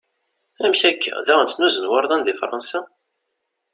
Amek akka? Daɣen ttnuzun wurḍan di Fransa?